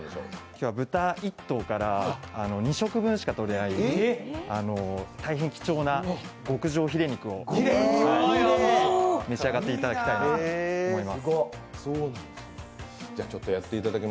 今日は豚１頭から２食分しかとれない大変貴重な極上ヒレ肉を召し上がっていただきたいなと思います。